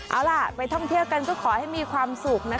เอาล่ะไปท่องเที่ยวกันก็ขอให้มีความสุขนะคะ